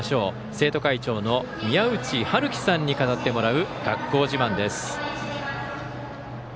生徒会長の宮内晴巨さんに語ってもらう学校自慢です。